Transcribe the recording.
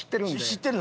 知ってる。